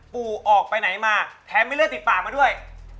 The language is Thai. ออกไปไหนมาแถมมีเลือดติดปากมาด้วย